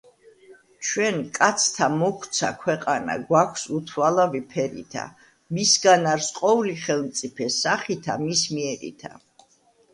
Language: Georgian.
ჩვენ, კაცთა, მოგვცა ქვეყანა, გვაქვს უთვალავი ფერითა, მისგან არს ყოვლი ხელმწიფე სახითა მის მიერითა.